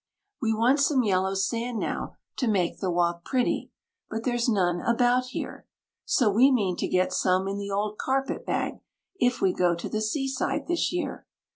We want some yellow sand now to make the walk pretty, but there's none about here, So we mean to get some in the old carpet bag, if we go to the seaside this year.